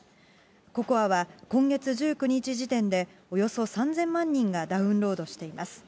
ＣＯＣＯＡは今月１９日時点で、およそ３０００万人がダウンロードしています。